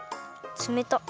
つめたっ。